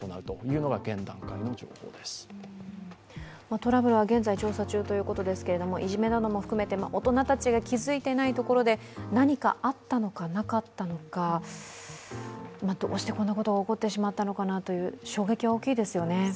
トラブルは現在調査中ということですけれども、いじめなども含めて、大人たちが気づいていないところで何かあったのか、なかったのか、どうしてこんなことが起こってしまったのかなという衝撃は大きいですよね。